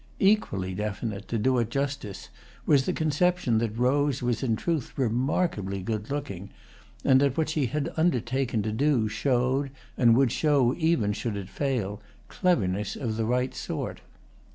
Equally definite, to do it justice, was the conception that Rose was in truth remarkably good looking, and that what she had undertaken to do showed, and would show even should it fail, cleverness of the right sort.